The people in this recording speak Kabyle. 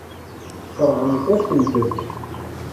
Tesseṛɣemt-asent-tent.